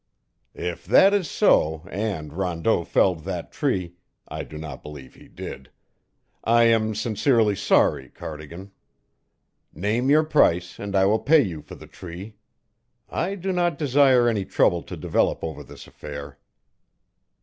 "If that is so, and Rondeau felled that tree I do not believe he did I am sincerely sorry, Cardigan, Name your price and I will pay you for the tree. I do not desire any trouble to develop over this affair."